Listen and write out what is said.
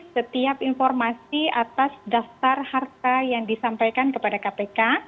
setiap informasi atas daftar harta yang disampaikan kepada kpk